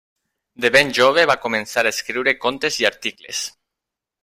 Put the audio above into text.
De ben jove va començar a escriure contes i articles.